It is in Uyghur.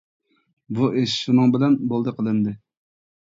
بۇ ئىش شۇنىڭ بىلەن بولدى قىلىندى.